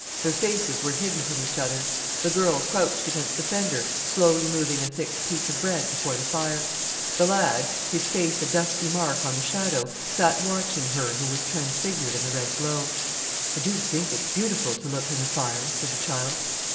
Their faces were hidden from each other. The girl crouched against the fender slowly moving a thick piece of bread before the fire. The lad, his face a dusky mark on the shadow, sat watching her who was transfigured in the red glow. "I do think it's beautiful to look in the fire," said the child.